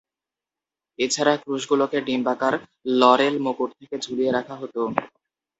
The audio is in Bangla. এছাড়া, ক্রুশগুলোকে ডিম্বাকার লরেল মুকুট থেকে ঝুলিয়ে রাখা হতো।